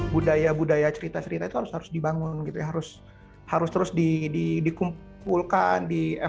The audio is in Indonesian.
budaya budaya cerita cerita itu harus dibangun harus terus dikumpulkan